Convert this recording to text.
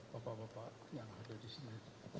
bapak bapak yang ada disini